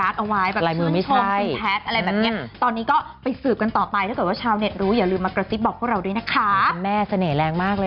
สรุปว่าไม่รู้ว่าใคร